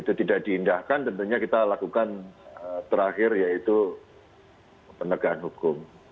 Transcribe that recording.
itu tidak diindahkan tentunya kita lakukan terakhir yaitu penegahan hukum